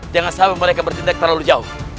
jangan sampai mereka bertindak terlalu jauh